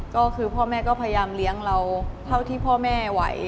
ก็คือพ่อแม่ก็พยายามเลี้ยงเราเท่าที่พ่อแม่ไหว